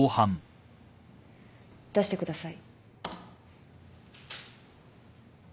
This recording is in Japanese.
出してください。